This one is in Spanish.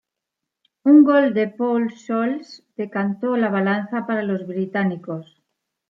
Un gol de Paul Scholes decantó la balanza para los británicos.